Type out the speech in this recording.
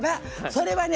それはね